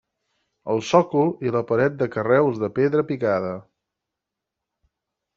El sòcol i la paret de carreus de pedra picada.